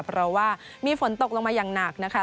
เพราะว่ามีฝนตกลงมาอย่างหนักนะคะ